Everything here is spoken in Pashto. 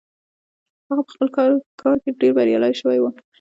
هغه په خپل کار کې ډېر بريالي شوی و.